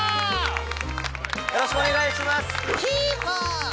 よろしくお願いします